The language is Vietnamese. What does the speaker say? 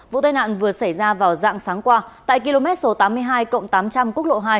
vụ tai nạn vừa xảy ra vào dạng sáng qua tại km số tám mươi hai tám trăm linh quốc lộ hai